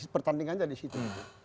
pertandingan aja di situ